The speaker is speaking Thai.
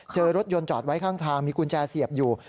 เจอรถยนต์จอดไว้ข้างทางมีกุญแจเสียบอยู่